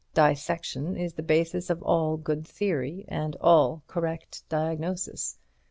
Dissection is the basis of all good theory and all correct diagnosis.